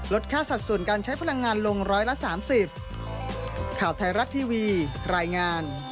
ค่าสัดส่วนการใช้พลังงานลงร้อยละ๓๐